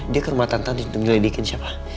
dia ke rumah tante untuk menyelidikin siapa